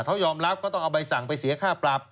เขายอมรับก็ต้องเอาใบสั่งไปเสียค่าปรับ